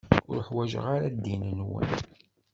Ur ḥwaǧeɣ ara ddin-nwen.